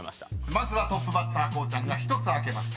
［まずはトップバッターこうちゃんが１つ開けました。